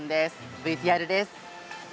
ＶＴＲです。